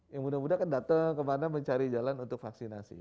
yang muda muda kan datang kemana mencari jalan untuk vaksinasi